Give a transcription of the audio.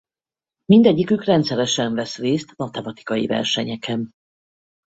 Mindegyikük rendszeresen vesz részt matematikai versenyeken.